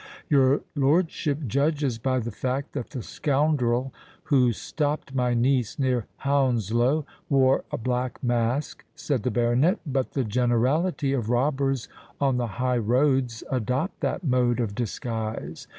"Your lordship judges by the fact that the scoundrel who stopped my niece near Hounslow wore a black mask," said the baronet; "but the generality of robbers on the high roads adopt that mode of disguise.